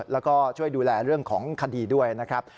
แล้วก็ช่วยดูแลเรื่องของคดีด้วยนะครับ